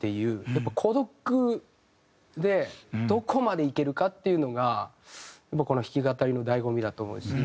やっぱ孤独でどこまでいけるかっていうのがこの弾き語りの醍醐味だと思うし。